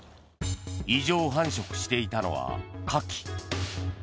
異常繁殖していたのはカキ。